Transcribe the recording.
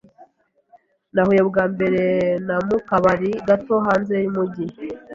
Nahuye bwa mbere na mu kabari gato hanze yumujyi.